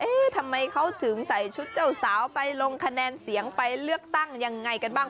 ทำไมเขาถึงใส่ชุดเจ้าสาวไปลงคะแนนเสียงไปเลือกตั้งยังไงกันบ้าง